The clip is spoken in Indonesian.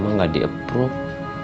mama nggak jadi pulang